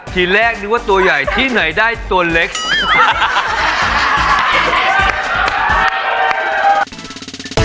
ทีแรกนึกว่าตัวใหญ่ที่ไหนได้ตัวเล็ก